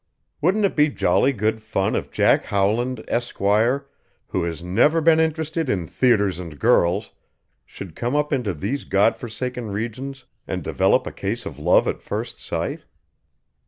Wouldn't it be jolly good fun if Jack Howland, Esquire, who has never been interested in theaters and girls, should come up into these God forsaken regions and develop a case of love at first sight?